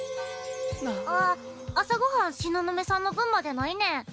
あっ朝ご飯東雲さんの分までないねん。